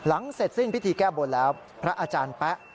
เสร็จสิ้นพิธีแก้บนแล้วพระอาจารย์แป๊ะ